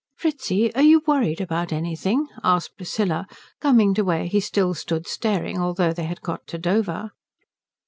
"Fritzi, are you worried about anything?" asked Priscilla, coming to where he still stood staring, although they had got to Dover.